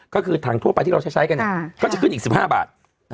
ก็คือถังทั่วไปที่เราจะใช้กันก็จะขึ้นอีก๑๕บาท